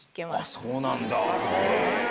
そうなんだ！